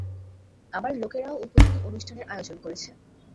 আমার লোকেরাও উদ্বোধনী অনুষ্ঠানের আয়োজন করেছে।